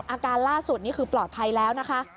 อาการล่าสุดนี่คือปลอดภัยแล้วนะคะ